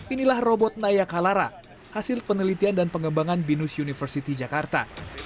inilah robot nayakalara hasil penelitian dan pengembangan binus university jakarta